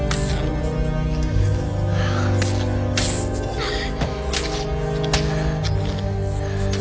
あっ！